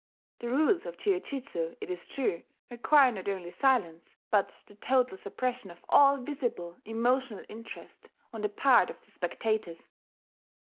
(The rules of jiujutsu, it is true, require not only silence, but the total suppression of all visible emotional interest on the part of the spectators.)